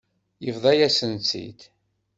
Yebḍa-yas-tt-id.